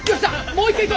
もう一回い